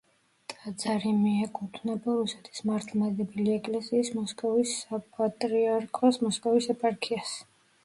ტაძარი მიეკუთვნება რუსეთის მართლმადიდებელი ეკლესიის მოსკოვის საპატრიარქოს მოსკოვის ეპარქიას.